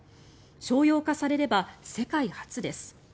商用化されれば世界初です。